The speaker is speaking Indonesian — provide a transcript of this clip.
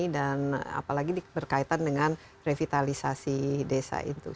apalagi berkaitan dengan revitalisasi desa itu